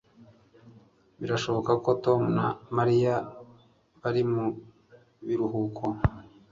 Birashoboka ko Tom na Mariya bari mu biruhuko